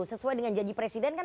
sesuai dengan janji presiden kan